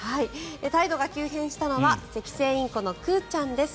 態度が急変したのはセキセイインコのくーちゃんです。